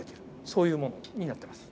そういうものになってます。